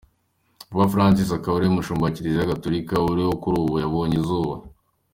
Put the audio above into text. Papa Francis, akaba ariwe mushumba wa Kiliziya Gatolika uriho kuri ubu yabonye izuba.